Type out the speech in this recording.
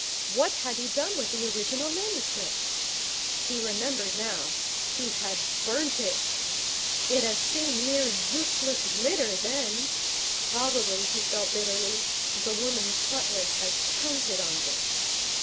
What had he done with the original manuscript? He remembered now. He had burnt it. It had seemed mere useless litter then. Probably, he felt bitterly, the woman Butler had counted on this.